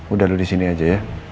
udah lu di sini aja ya